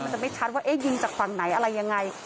ค่ะมันจะไม่ชัดว่ายิงจากฝั่งไหนอะไรยังไง